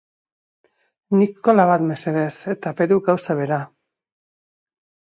Nik kola bat, mesedez, eta Peruk gauza bera.